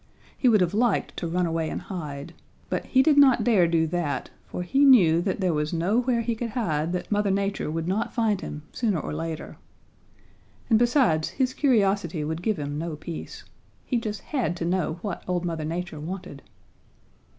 He would have liked to run away and hide. But he did not dare do that, for he knew that there was nowhere he could hide that Mother Nature would not find him sooner or later. And besides, his curiosity would give him no peace. He just had to know what old Mother Nature wanted.